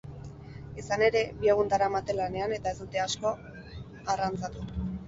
Izan ere, bi egun daramate lanean eta ez dute asko arrantzatu.